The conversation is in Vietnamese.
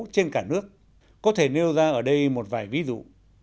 trên cả nước có thể nêu ra ở đây một vài ví dụ